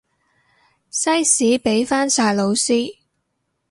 西史畀返晒老師